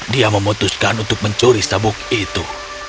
dia memutuskan untuk mencuri sabuk itu